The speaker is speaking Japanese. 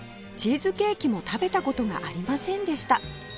チーズケーキも食べた事がありませんでした